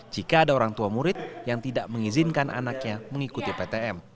jika ada orang tua murid yang tidak mengizinkan anaknya mengikuti ptm